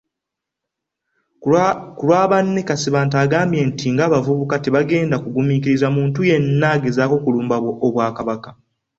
Ku lwa banne, Kasibante agambye nti ng'abavubuka tebagenda kugumiikiriza muntu yenna agezaako kulumba Obwakabaka.